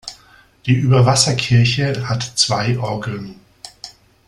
Die Überwasserkirche hat zwei Orgeln.